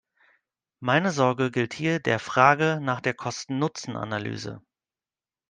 Meine Sorge gilt hier der Frage nach der Kosten-Nutzen-Analyse.